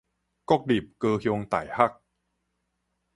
國立高雄大學